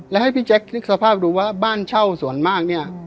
และให้พี่แจ๊คนึกสภาพดูว่าบ้านเช่าส่วนมากเนี่ย